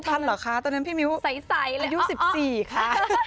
ทันเหรอคะตอนนั้นพี่มิ้วใสอายุ๑๔ค่ะ